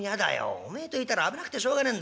おめえといたら危なくてしょうがねえんだ